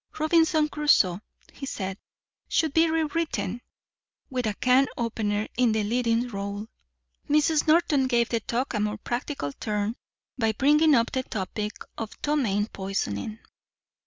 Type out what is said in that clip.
"Robinson Crusoe," he said, "should be rewritten with a can opener in the leading rôle." Mrs. Norton gave the talk a more practical turn by bringing up the topic of ptomaine poisoning.